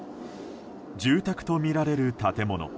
住宅とみられる建物。